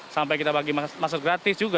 sampai kita bagi masker gratis juga